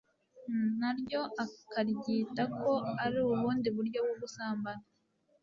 na ryo akaryita ko ari ubundi buryo bwo gusambana